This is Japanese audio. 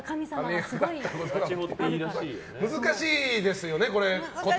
答え方難しいですよね。